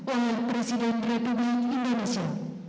oleh presiden republik indonesia